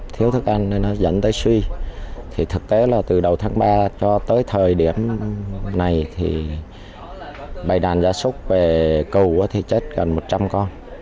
thiếu thức ăn nó dẫn tới suy thì thực tế là từ đầu tháng ba cho tới thời điểm này thì bài đàn gia súc về cừu thì chết gần một trăm linh con